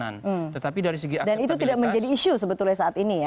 dan itu tidak menjadi isu sebetulnya saat ini ya